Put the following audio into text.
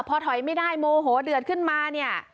พอถอยไม่ได้โมโหเดือดขึ้นมาเนี่ย